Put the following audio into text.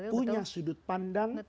punya sudut pandang